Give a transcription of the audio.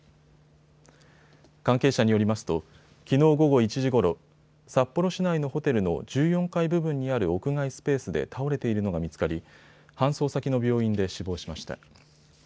関係者によりますときのう午後１時ごろ、札幌市内のホテルの１４階部分にある屋外スペースで倒れているのが見つかり搬送先の病院で死亡しました。